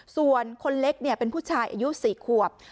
ส่วนคนเล็กเป็นผู้ชายอายุ๔ขวบ